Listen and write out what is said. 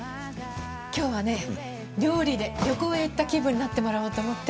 今日はね料理で旅行へ行った気分になってもらおうと思って。